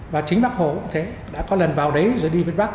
và chính bắc hồ cũng thế đã có lần vào đấy rồi đi việt bắc